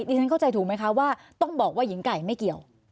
ฉันเข้าใจถูกไหมคะว่าต้องบอกว่าหญิงไก่ไม่เกี่ยว